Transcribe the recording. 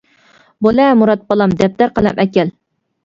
بولە مۇرات بالام دەپتەر قەلەم ئەكەل.